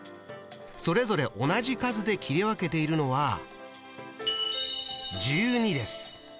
それぞれ同じ数で切り分けているのは１２です。